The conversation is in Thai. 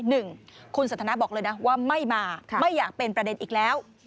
หนึ่งคุณสันทนาบอกเลยนะว่าไม่มาไม่อยากเป็นประเด็นอีกแล้ว